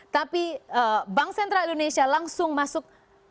tapi bank sentral indonesia langsung masuk